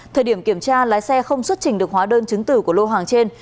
thời điểm kiểm tra lái xe không xuất trình được hóa đơn chứng từ của lô hàng trên